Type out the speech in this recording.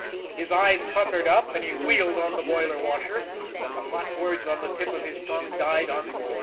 His eyes puckered up and he wheeled on the boiler washer but the hot words on the tip of his tongue died unborn.